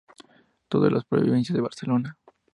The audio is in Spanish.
Todos de la provincia de Barcelona.